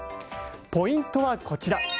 ポイントはこちら。